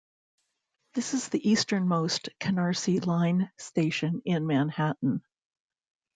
This is the easternmost Canarsie Line station in Manhattan.